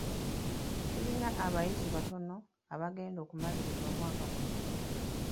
Tulina abayizi batono abagenda okumaliriza omwaka guno.